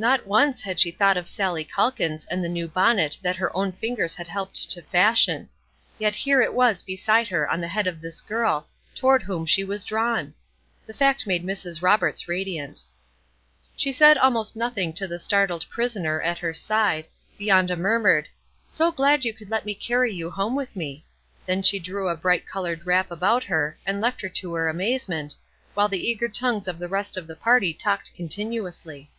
Not once had she thought of Sallie Calkins and the new bonnet that her own fingers had helped to fashion; yet here it was beside her on the head of this girl, toward whom she was drawn! The fact made Mrs. Roberts radiant. She said almost nothing to the startled prisoner at her side, beyond a murmured, "So glad you let me carry you home with me!" Then she drew a bright colored wrap about her, and left her to her amazement, while the eager tongues of the rest of the party talked continuously.